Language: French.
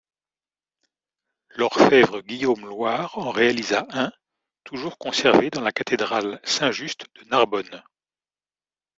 L'orfèvre Guillaume Loir en réalisa un, toujours conservé dans la cathédrale Saint-Juste de Narbonne.